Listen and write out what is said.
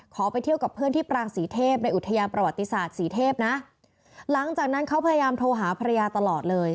ไปเที่ยวกับเพื่อนที่ปรางศรีเทพในอุทยานประวัติศาสตร์ศรีเทพนะหลังจากนั้นเขาพยายามโทรหาภรรยาตลอดเลย